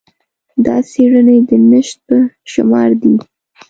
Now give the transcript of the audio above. دا څېړنې د نشت په شمار دي.